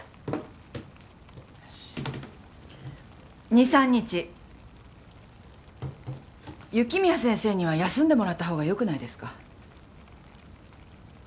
２３日雪宮先生には休んでもらったほうがよくないですか？